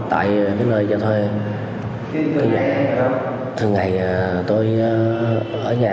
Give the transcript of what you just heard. tôi làm mở cửa thì tôi mở cửa